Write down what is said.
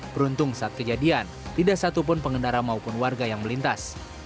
beruntung saat kejadian tidak satupun pengendara maupun warga yang melintas